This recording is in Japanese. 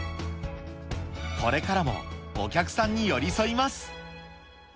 これからもお客さんに寄り添います。